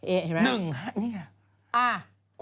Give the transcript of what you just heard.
เอ๊ะใช่ไหม